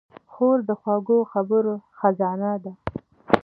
خور د خوږو خبرو خزانه ده.